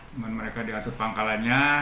cuma mereka diatur pangkalannya